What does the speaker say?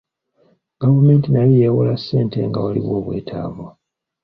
Gavumenti nayo yeewola ssente nga waliwo obwetaavu.